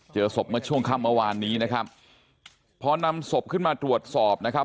เจอศพเมื่อช่วงค่ำเมื่อวานนี้นะครับพอนำศพขึ้นมาตรวจสอบนะครับ